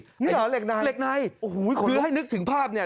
นี่เหรอเหล็กไนเหล็กไนคือให้นึกถึงภาพนี่